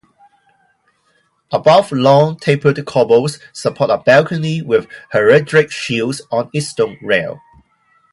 Above long tapered corbels support a balcony with heraldric shields on its stone rail.